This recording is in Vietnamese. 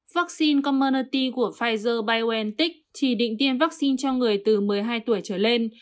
vaccine commernoty của pfizer biontech chỉ định tiêm vaccine cho người từ một mươi hai tuổi trở lên